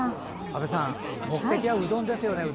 阿部さん目的はうどんですよね。